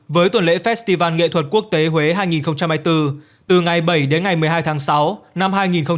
với tuần lễ festival nghệ thuật quốc tế huế hai nghìn hai mươi bốn từ ngày bảy đến ngày một mươi hai tháng sáu năm hai nghìn hai mươi bốn